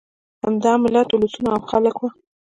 همدا ملت، اولسونه او خلک وو.